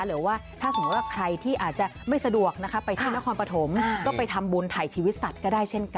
หรือว่าถ้าสมมุติว่าใครที่อาจจะไม่สะดวกนะคะไปที่นครปฐมก็ไปทำบุญถ่ายชีวิตสัตว์ก็ได้เช่นกัน